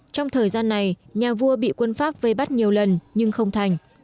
trong thời gian này nhà vua bị quân pháp vây bắt nhiều lần nhưng không thành